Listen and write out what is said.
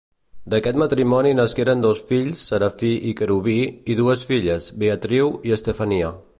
D'aquest matrimoni nasqueren dos fills Serafí i Querubí, i dues filles, Beatriu i Estefania.